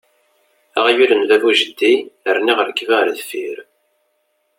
Aɣyul n baba u jeddi rniɣ rrekba ɣer deffier!